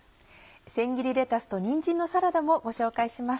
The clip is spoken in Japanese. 「せん切りレタスとにんじんのサラダ」もご紹介します。